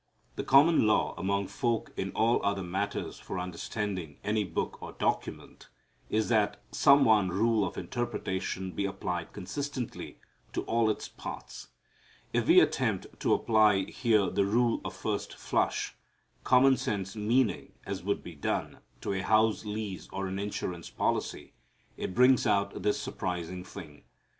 The common law among folk in all other matters for understanding any book or document is that some one rule of interpretation be applied consistently to all its parts. If we attempt to apply here the rule of first flush, common sense meaning, as would be done to a house lease or an insurance policy, it brings out this surprising thing.